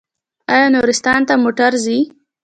آیا نورستان ته موټر ځي؟